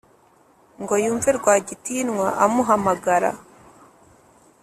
ngo yumve rwagitinywa amuhamagara